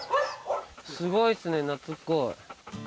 すごいっすね懐っこい。